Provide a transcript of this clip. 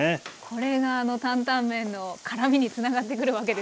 これがあの担々麺の辛みにつながってくるわけですよね。